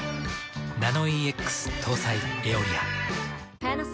ナノイーＸ搭載「エオリア」。